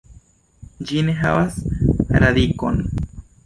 Ĝi ne havas radikon.